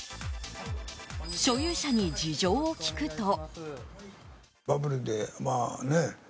所有者に事情を聴くと。